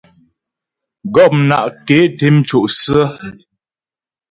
Gɔpna' ké té mco' sə̀.